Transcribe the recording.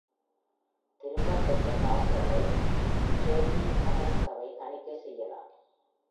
திரும்பப் பெற்ற பாஸ்களை Derby நகர சபை தணிக்கை செய்யலாம்.